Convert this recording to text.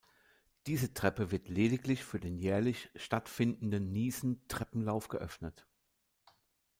Diese Treppe wird lediglich für den jährlich stattfindenden Niesen-Treppenlauf geöffnet.